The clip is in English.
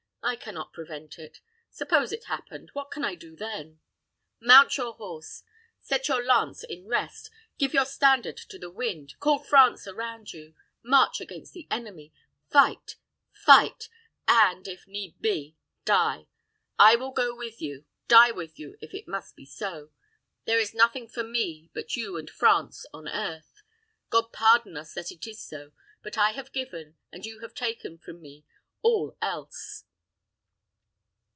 "I can not prevent it. Suppose it happened; what can I do then?" "Mount your horse. Set your lance in rest. Give your standard to the wind. Call France around you. March against the enemy fight fight and, if need be, die! I will go with you die with you, if it must be so. There is nothing for me but you and France on earth. God pardon us that it is so; but I have given, and you have taken from me all else."